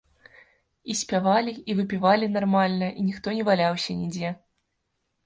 І спявалі, і выпівалі нармальна, і ніхто не валяўся нідзе.